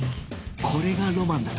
これがロマンだと